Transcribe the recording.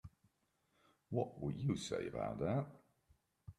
What would you say about that?